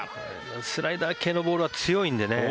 スライダー系のボールは強いんでね。